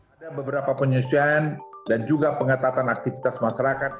ada beberapa penyusian dan juga pengatatan aktivitas masyarakat